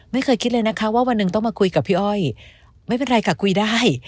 ไม่เคยคิดเลยนะคะว่าวันหนึ่งต้องมาคุยกับพี่อ้อยไม่เป็นไรค่ะคุยได้